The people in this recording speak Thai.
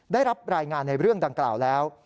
ได้รับรายงานในเรื่องดังกล่าวแล้ว